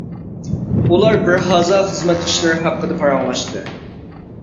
ئۇلار بىز ھازا خىزمەت ئىشلىرى ھەققىدە پاراڭلاشتى.